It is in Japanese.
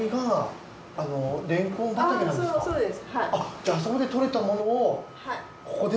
じゃああそこでとれたものをここで？